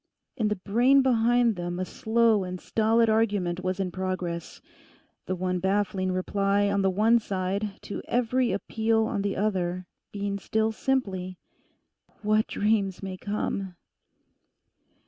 In the brain behind them a slow and stolid argument was in progress; the one baffling reply on the one side to every appeal on the other being still simply. 'What dreams may come?